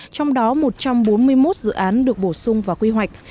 trong đó một trăm bốn mươi một dự án được bổ sung và quy hoạch